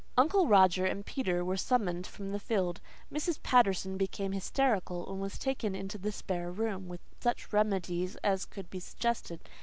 Uncle Roger and Peter were summoned from the field. Mrs. Patterson became hysterical, and was taken into the spare room with such remedies as could be suggested.